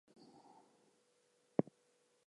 Sanitary districts were not formed in Scotland.